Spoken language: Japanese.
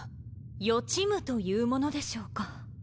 予知夢というものでしょうか？